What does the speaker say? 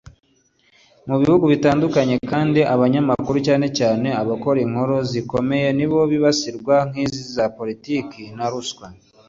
Mu bihugu bitandukanye kandi abanyamakuru cyane cyane abakora inkuru zikomeye nibo bibasirwa nk’iza politiki na ruswa